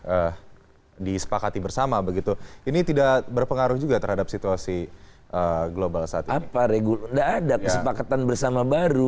eh disepakati bersama begitu ini tidak berpengaruh juga terhadap situasi global saat apa reguler ada